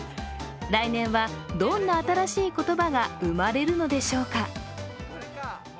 来年はどんな新しい言葉が生まれるのでしょうか。